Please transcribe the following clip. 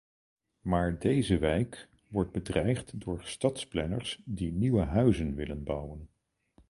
Maar deze wijk wordt bedreigd door stadsplanners die nieuwe huizen willen bouwen.